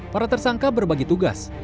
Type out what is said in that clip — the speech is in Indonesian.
para tersangka berbagi tugas